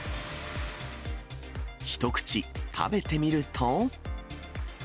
一口、食べてみると。